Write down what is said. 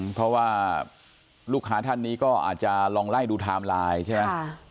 เพราะว่าลูกค้าท่านนี้ก็อาจจะลองไล่ดูไทม์ไลน์ใช่ไหม